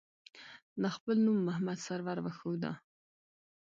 ده خپل نوم محمد سرور وښوده.